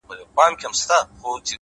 خو هيله زما هر وخت په نفرت له مينې ژاړي;